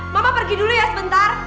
bapak pergi dulu ya sebentar